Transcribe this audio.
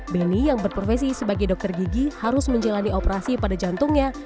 beni yang berprofesi sebagai dokter gigi harus menjalani operasi pada jantungnya